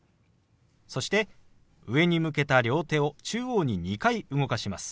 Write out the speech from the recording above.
そして上に向けた両手を中央に２回動かします。